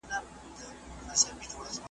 قانوني اسناد ارزښت لري.